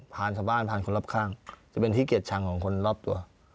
ชาวบ้านผ่านคนรอบข้างจะเป็นที่เกลียดชังของคนรอบตัว